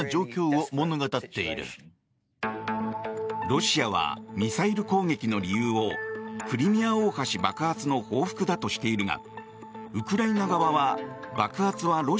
ロシアはミサイル攻撃の理由をクリミア大橋爆発の報復だとしているが。